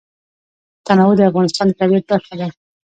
تنوع د افغانستان د طبیعت برخه ده.